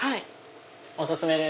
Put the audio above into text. お薦めです。